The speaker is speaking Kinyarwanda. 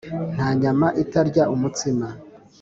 Nta nyama itarya umutsima.